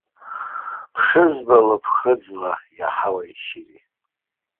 Бшызбало ԥхыӡла, иаҳауеи шьыри.